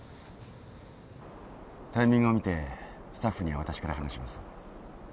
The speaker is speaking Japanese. タイミングを見てスタッフには私から話します。